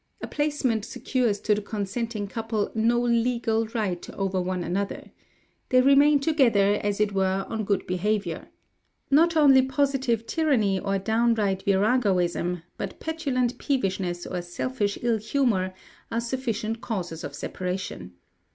A placement secures to the consenting couple no legal right over one another. They remain together, as it were, on good behaviour. Not only positive tyranny or downright viragoism, but petulant peevishness or selfish ill humour, are sufficient causes of separation.